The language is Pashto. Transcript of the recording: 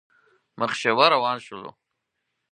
مخ شېوه روان شولو.